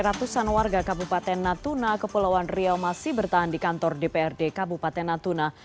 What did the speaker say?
ratusan warga kabupaten natuna kepulauan riau masih bertahan di kantor dprd kabupaten natuna